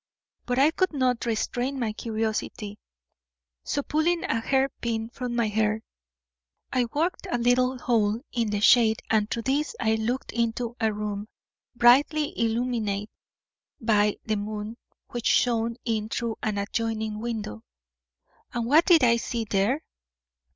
But I could not restrain my curiosity, so pulling a hairpin from my hair, I worked a little hole in the shade and through this I looked into a room brightly illumined by the moon which shone in through an adjoining window. And what did I see there?"